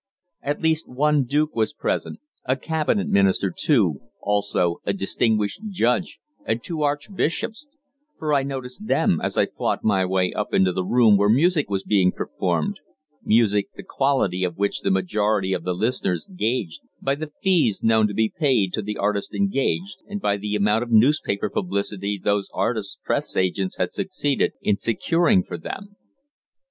At least one Duke was present, a Cabinet Minister too, also a distinguished Judge and two Archbishops, for I noticed them as I fought my way up into the room where music was being performed, music the quality of which the majority of the listeners gauged by the fees known to be paid to the artists engaged, and by the amount of newspaper publicity those artists' Press agents had succeeded in securing for them.